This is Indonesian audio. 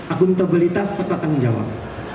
akuntabilitas atau tanggung jawab